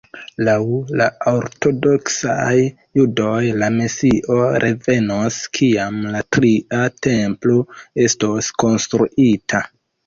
Laŭ la ortodoksaj judoj, la mesio revenos, kiam la tria Templo estos konstruita.